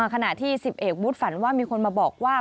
ขณะที่๑๐เอกวุฒิฝันว่ามีคนมาบอกว่า